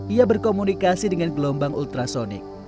ia berkomunikasi dengan gelombang ultrasonic